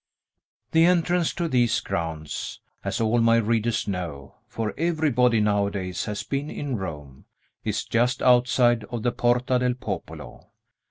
The entrance to these grounds (as all my readers know, for everybody nowadays has been in Rome) is just outside of the Porta del Popolo.